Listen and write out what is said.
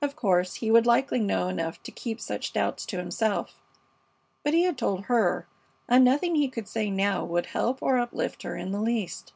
Of course, he would likely know enough to keep such doubts to himself; but he had told her, and nothing he could say now would help or uplift her in the least.